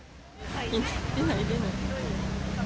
出ない、出ない。